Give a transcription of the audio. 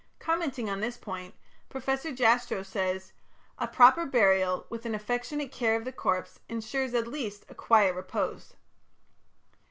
Commenting on this point Professor Jastrow says: "A proper burial with an affectionate care of the corpse ensures at least a quiet repose.